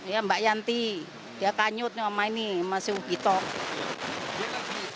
ya mbak yanti dia kanyut sama ini mas yugi tok